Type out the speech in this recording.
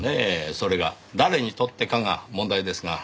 それが誰にとってかが問題ですが。